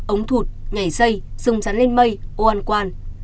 ống thụt nhảy dây rung rắn lên mây ô ăn quan